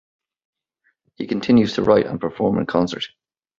He continues to write and perform in concert.